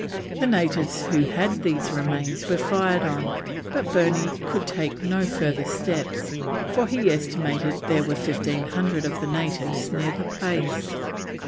The natives who had these remains were fired on, but Burney could take no further steps, for he estimated there were fifteen hundred of the natives near the place.